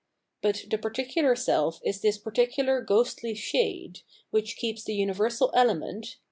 But the particular self is this particular ghostly shade, which keeps the universal element.